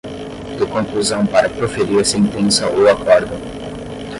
de conclusão para proferir sentença ou acórdão